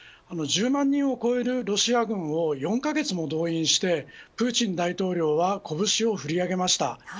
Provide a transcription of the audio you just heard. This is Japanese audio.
１０万人を超えるロシア軍を４カ月も動員してプーチン大統領は拳を振り上げました。